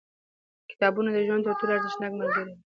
• کتابونه د ژوند تر ټولو ارزښتناک ملګري دي.